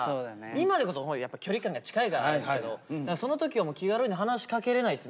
今でこそやっぱ距離感が近いからあれですけどその時はもう気軽に話しかけれないです